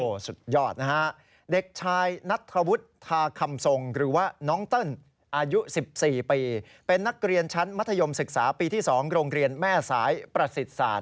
สุดยอดนะฮะเด็กชายนัทธวุฒิธาคำทรงหรือว่าน้องเติ้ลอายุ๑๔ปีเป็นนักเรียนชั้นมัธยมศึกษาปีที่๒โรงเรียนแม่สายประสิทธิศาสตร์